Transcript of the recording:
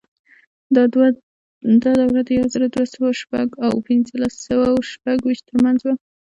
دا دوره د یو زر دوه سوه شپږ او پنځلس سوه شپږویشت ترمنځ وه.